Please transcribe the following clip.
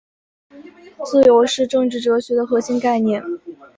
自由是政治哲学的核心概念。